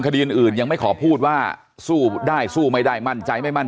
คดีอื่นยังไม่ขอพูดว่าสู้ได้สู้ไม่ได้มั่นใจไม่มั่น